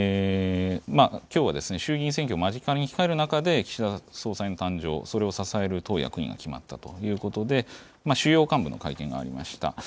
きょうはですね衆議院選挙を間近に控える中で岸田総裁の誕生、それを支える党役員が決まったということで主要幹部の会見がありました。